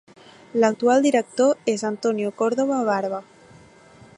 L'actual director és Antonio Córdoba Barba.